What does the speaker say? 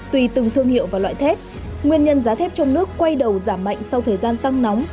tùy từng thương hiệu và loại thép nguyên nhân giá thép trong nước quay đầu giảm mạnh sau thời gian tăng nóng